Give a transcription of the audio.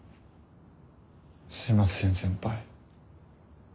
すいません先輩。